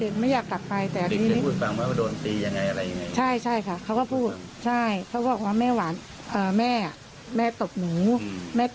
ดิ่งนั่นหรือ